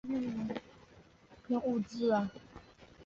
原产地从中南半岛到中国。